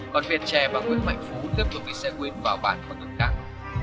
còn viện trè và nguyễn bạch phú tiếp tục đi xe huyến vào bàn bằng đường càng